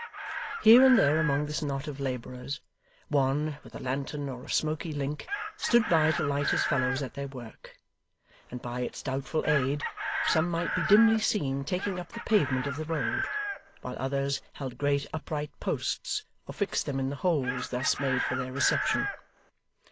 Here and there among this knot of labourers, one, with a lantern or a smoky link, stood by to light his fellows at their work; and by its doubtful aid, some might be dimly seen taking up the pavement of the road, while others held great upright posts, or fixed them in the holes thus made for their reception.